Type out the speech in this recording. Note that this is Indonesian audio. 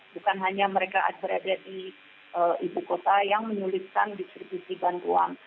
bukan hanya mereka adrede di ibu kota yang menyulitkan distribusi bantu uang